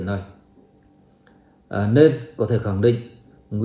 lò nó có nhập lợn về đâu